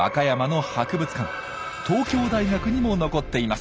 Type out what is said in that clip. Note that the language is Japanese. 東京大学にも残っています。